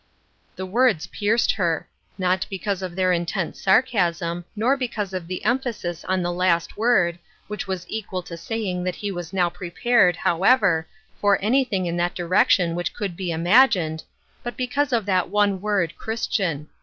The words pierced her ; not because of their in tense sarcasm, nor because of the emphasis on the last word, which was equal to saying that he was now prepared, however, for anything in that direc tion which could be imagined, but because of that one word Christian.